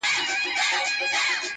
او د بهرنیانو د پروژو پر ځای